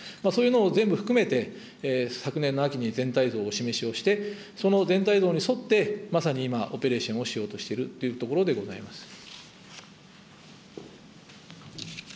そういうのを全部含めて、昨年の秋に全体像をお示しをして、その全体像に沿って、まさに今、オペレーションをしようとしているというところでございます。